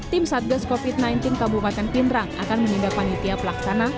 tim satgas covid sembilan belas kabupaten pindrang akan menindak panitia pelaksana